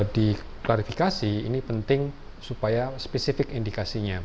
diklarifikasi ini penting supaya spesifik indikasinya